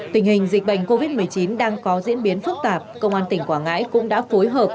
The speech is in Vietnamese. tình hình dịch bệnh covid một mươi chín đang có diễn biến phức tạp công an tỉnh quảng ngãi cũng đã phối hợp